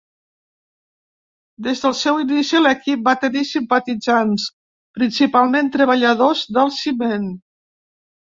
Des del seu inici, l'equip va tenir simpatitzants, principalment treballadors del ciment.